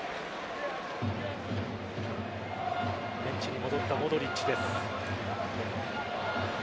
ベンチに戻ったモドリッチです。